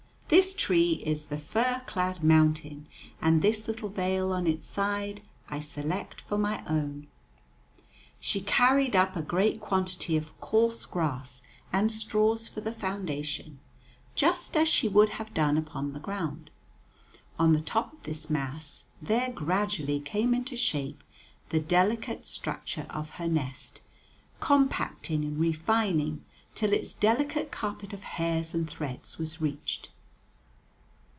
This tree is the fir clad mountain, and this little vale on its side I select for my own." She carried up a great quantity of coarse grass and straws for the foundation, just as she would have done upon the ground. On the top of this mass there gradually came into shape the delicate structure of her nest, compacting and refining till its delicate carpet of hairs and threads was reached.